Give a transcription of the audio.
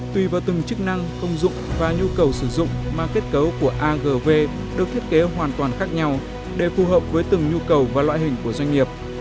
tùy vào từng chức năng công dụng và nhu cầu sử dụng mà kết cấu của agv được thiết kế hoàn toàn khác nhau để phù hợp với từng nhu cầu và loại hình của doanh nghiệp